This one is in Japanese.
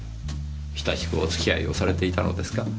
親しくお付き合いをされていたのですか？